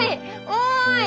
おい！